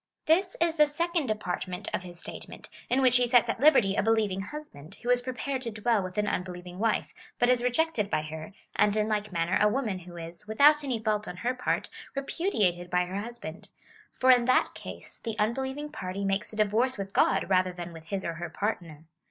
This is the second de partment of his statement, in which he sets at liberty a be lieving husband, who is prepared to dwell with an unbeliev ing wife, but is rejected by her, and in like manner a woman who is, without any fault on her part, repudiated by her husband ; for in that case the unbelieving party makes a divorce with God rather than with his or her partner.